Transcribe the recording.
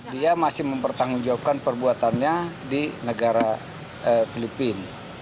dia masih mempertanggungjawabkan perbuatannya di negara filipina